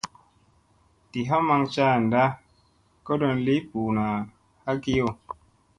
Di ha maŋ caanda kodon lii buuna hakiyo.